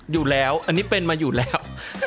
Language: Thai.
อยู่แล้วอันนี้เป็นมาอยู่แล้ว